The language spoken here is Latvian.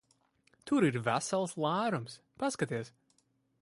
Tur ir vesels lērums. Paskaties!